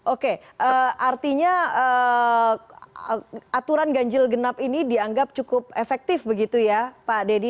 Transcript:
oke artinya aturan ganjil genap ini dianggap cukup efektif begitu ya pak dedy